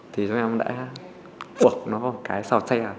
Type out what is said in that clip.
thì chúng em đã quật nó vào cái xào tre